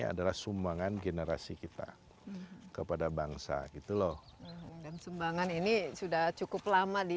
adalah sumbangan generasi kita kepada bangsa gitu loh dan sumbangan ini sudah cukup lama di